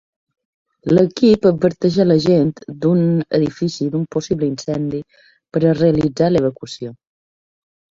L'equip adverteix a la gent d'un edifici d'un possible incendi, per a realitzar l'evacuació.